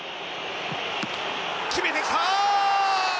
決めてきた！